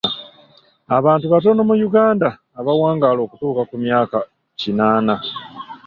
Abantu batono mu Uganda abawangaala okutuuka ku myaka kinaana.